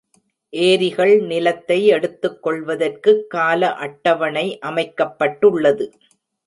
ஏரிகள் நிலத்தை எடுத்துக்கொள்வதற்குக் கால அட்டவணை அமைக்கப்பட்டுள்ளது.